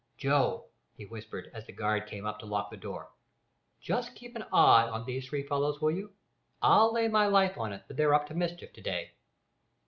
"Joe," he whispered, as the guard came up to lock the door, "just keep an eye on these three fellows, will you? I'd lay my life on it that they're up to mischief to day."